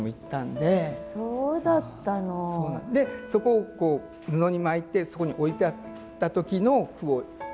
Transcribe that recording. でそこを布に巻いてそこに置いてあった時の句を。